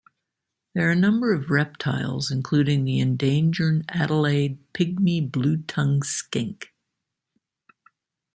There are a number of reptiles including the endangered Adelaide pygmy blue-tongue skink.